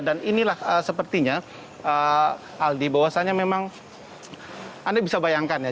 dan inilah sepertinya aldi bahwasannya memang anda bisa bayangkan ya